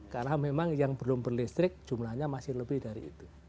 karena memang yang belum berlistrik jumlahnya masih lebih dari itu